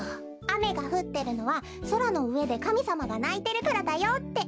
あめがふってるのはそらのうえでかみさまがないてるからだよって。